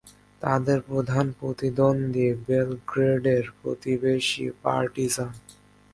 তাদের প্রধান প্রতিদ্বন্দ্বী বেলগ্রেডের প্রতিবেশী পার্টিজান।